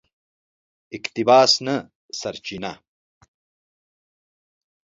اقتباس نه سرچینه